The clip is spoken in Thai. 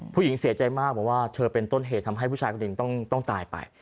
ผู้หญิงเสียใจมากบอกว่าเธอเป็นต้นเหตุทำให้ผู้ชายคนหนึ่งต้องตายไป